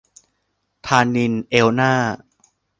ธานินทร์ เอลน่า